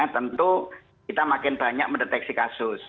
tentu kita makin banyak mendeteksi kasus